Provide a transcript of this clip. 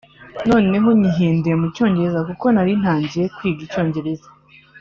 noneho nyihinduye mu cyongereza kuko nari ntangiye kwiga icyongereza